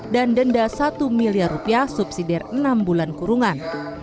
dan denda satu miliar rupiah subsidi dari enam bulan kurungan